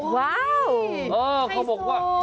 ว้าวไขซู